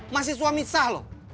masih suami sah